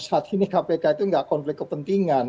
saat ini kpk itu nggak konflik kepentingan